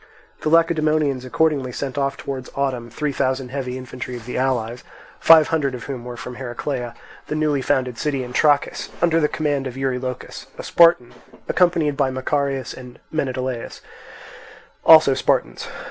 The Lacedaemonians accordingly sent off towards autumn three thousand heavy infantry of the allies, five hundred of whom were from Heraclea, the newly founded city in Trachis, under the command of Eurylochus, a Spartan, accompanied by Macarius and Menedaius, also Spartans.